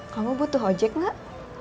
kamu butuh ojek gak